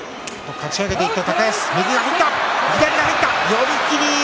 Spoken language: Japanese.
寄り切り。